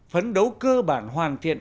phấn đấu cơ bản hoàn thiện